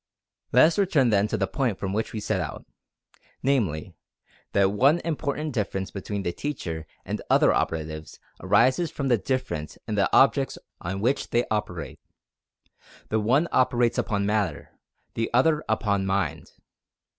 Let us return then to the point from which we set out, namely: that one important difference between the teacher and other operatives arises from the difference in the objects on which they operate. The one operates upon matter, the other upon mind.